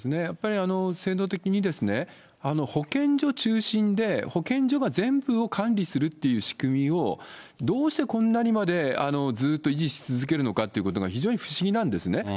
やっぱり制度的に保健所中心で保健所が全部を管理するっていう仕組みを、どうしてこんなにまで、ずーっと維持し続けるのかというのが非常に不思議なんですね。